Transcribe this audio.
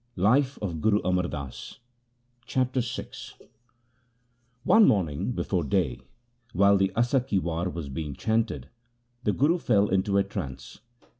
LIFE OF GURU AMAR DAS 87 Chapter VI One morning, before day, while the Asa ki War was being chanted, the Guru fell into a trance.